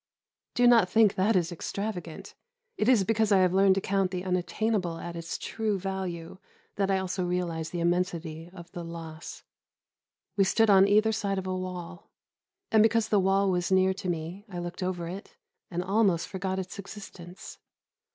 Do not think that is extravagant; it is because I have learned to count the unattainable at its true value that I also realise the immensity of the loss. We stood on either side of a wall, and because the wall was near to me I looked over it and almost forgot its existence.